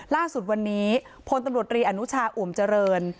ล่าสุดวันนี้พลตำรวจรีอนุชาอ่วมเจริญ